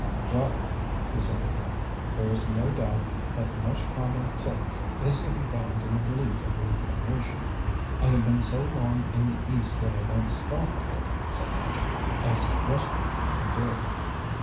"Well," he said, at length, "there is no doubt that much common sense is to be found in the belief of reincarnation. I have been so long in the East that I don't scoff at it so much as Western people do.